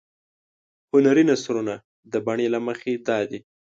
هنري نثرونه د بڼې له مخې دادي.